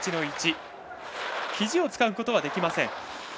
ひじを使うことはできません。